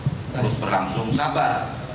terus berlangsung sabar